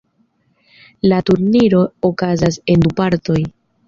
La turniro okazas en du partoj.